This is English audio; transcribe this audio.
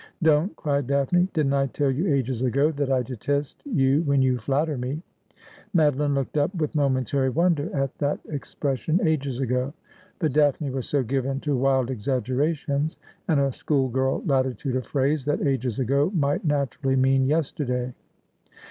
' Don't,' cried Daphne. ' Didn't I tell you ages ago that I detest you when you flatter me ?' Madoline looked up with momentary wonder at that expres sion ' ages ago ;' but Daphne was so given to wild exaggerations and a school girl latitude of phrase, that ' ages ago ' might naturally mean yesterday.